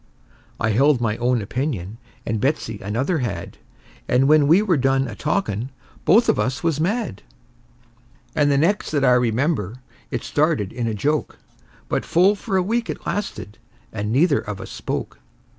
I held my own opinion, and Betsey another had; And when we were done a talkin', we both of us was mad. And the next that I remember, it started in a joke; But full for a week it lasted, and neither of us spoke.